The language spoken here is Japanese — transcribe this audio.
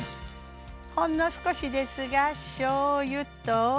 ほんの少しですがしょうゆと。